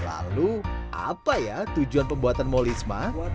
lalu apa ya tujuan pembuatan ma'arif